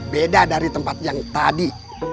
beda dari tempat yang tadi